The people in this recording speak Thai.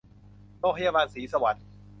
โรงพยาบาลศรีสวรรค์